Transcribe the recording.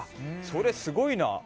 それすごいな。